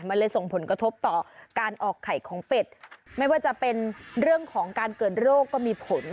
มันเลยส่งผลกระทบต่อการออกไข่ของเป็ดไม่ว่าจะเป็นเรื่องของการเกิดโรคก็มีผล